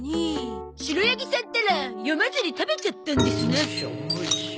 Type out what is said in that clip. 白ヤギさんたら読まずに食べちゃったんですな。